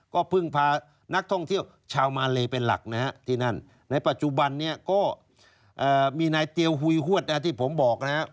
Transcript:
ก็เพิ่งพานักท่องเที่ยวชาวมาเลเป็นหลักนะฮะที่นั่นในปัจจุบันนี้ก็มีนายเตียวหุยฮวดที่ผมบอกนะครับ